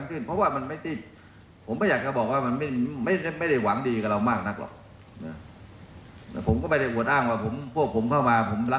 อุตโหลใจใดกเป็นตรีไว้ในบุคลุ